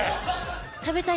食べたい！